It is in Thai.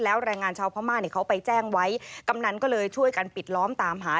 แล้วแรงงานชาวพม่าเนี่ยเขาไปแจ้งไว้กำนันก็เลยช่วยกันปิดล้อมตามหา